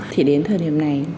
thì đến thời điểm này